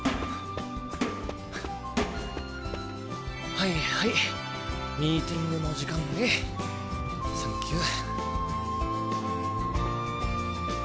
はいはいミーティングの時間ねサンキュー。